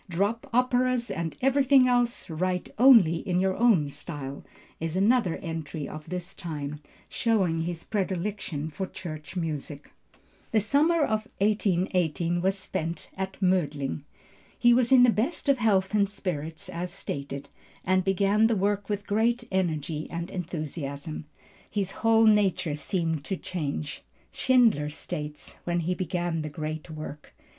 "Drop operas and everything else, write only in your own style," is another entry of this time, showing his predilection for church music. The summer of 1818 was spent at Mödling. He was in the best of health and spirits as stated, and began the work with great energy and enthusiasm. His whole nature seemed to change, Schindler states, when he began the great work.